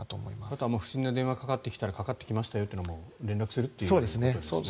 あとは不審な電話がかかってきたらかかってきましたよというのを連絡するということですね。